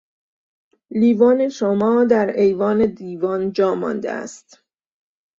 لیوان شما در ایوان دیوان جا مانده است